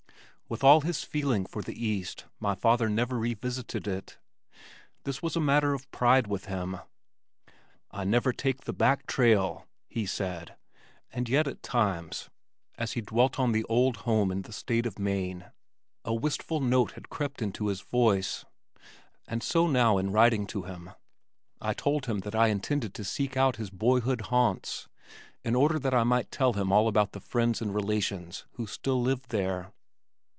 With all his feeling for the East my father had never revisited it. This was a matter of pride with him. "I never take the back trail," he said, and yet at times, as he dwelt on the old home in the state of Maine a wistful note had crept into his voice, and so now in writing to him, I told him that I intended to seek out his boyhood haunts in order that I might tell him all about the friends and relations who still lived there.